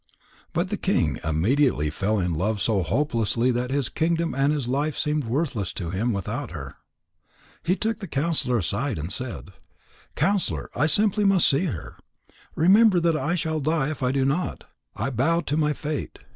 But the king immediately fell in love so hopelessly that his kingdom and his life seemed worthless to him without her. He took the counsellor aside and said: "Counsellor, I simply must see her. Remember that I shall die if I do not. I bow to my fate.